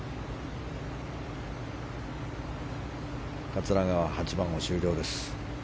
桂川、８番を終了です。